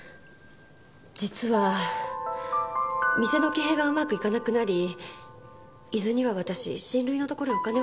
実は店の経営がうまくいかなくなり伊豆には私親類のところへお金を借りに行ったんです。